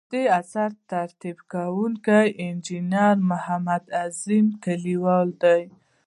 ددې اثر ترتیب کوونکی انجنیر محمد نظیم کلیوال دی.